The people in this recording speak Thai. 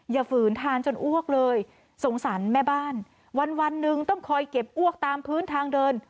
ฝืนทานจนอ้วกเลยสงสารแม่บ้านวันหนึ่งต้องคอยเก็บอ้วกตามพื้นทางเดิน